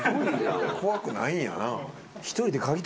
怖くないんやな。